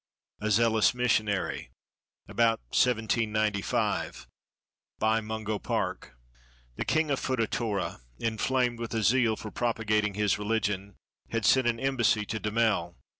A ZEALOUS MISSIONARY [About 1795) BY MUNGO PARK The King of Foota Torra, inflamed with a zeal for prop agating his religion, had sent an embassy to Darnel.